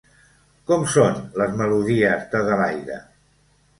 Com són les melodies d'Adelaide?